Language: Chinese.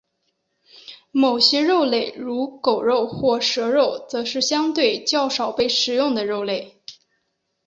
某些肉类如狗肉或蛇肉则是相对较少被食用的肉类。